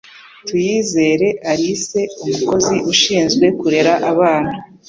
Tuyizere Alice, umukozi ushinzwe kurera abana